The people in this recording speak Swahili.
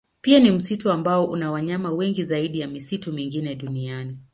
Pia ni msitu ambao una wanyama wengi zaidi ya misitu mingine duniani.